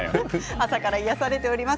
朝から癒やされています。